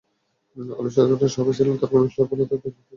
আলোচকেরা সবাই ছিলেন তাঁর ঘনিষ্ঠ, ফলে তাঁদের স্মৃতিচারণা ছুঁয়ে গেল দর্শকমন।